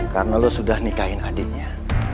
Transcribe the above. karena kau sudah menikahi adiknya